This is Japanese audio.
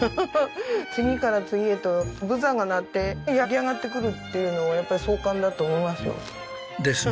次から次へとブザーが鳴って焼き上がってくるっていうのはやっぱり壮観だと思いますよ。ですね！